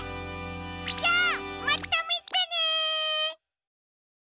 じゃあまたみてね！